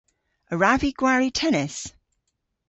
A wrav vy gwari tennis?